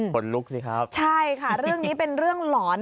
คนลุกสิครับใช่ค่ะเรื่องนี้เป็นเรื่องหลอน